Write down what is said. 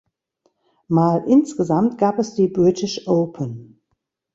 Mal insgesamt gab es die British Open.